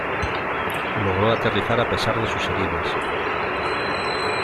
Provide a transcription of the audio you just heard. Logró aterrizar a pesar de sus heridas.